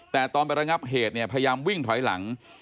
แต่ตอนไประงับเหตุเนี่ยพยายามวิ่งถอยหลัง